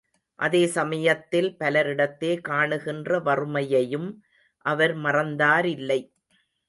அதே சமயத்தில் பலரிடத்தே காணுகின்ற வறுமையையும் அவர் மறந்தாரில்லை.